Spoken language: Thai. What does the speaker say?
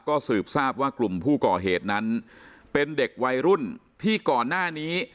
ก็สืบทราบว่ากลุ่มผู้ก่อเหตุนั้นเป็นเด็กวัยรุ่นที่ก่อนหน้านี้